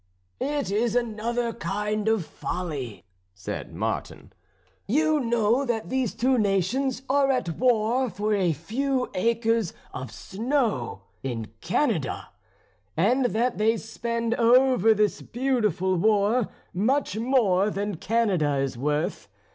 "It is another kind of folly," said Martin. "You know that these two nations are at war for a few acres of snow in Canada, and that they spend over this beautiful war much more than Canada is worth.